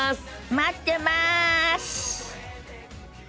待ってます！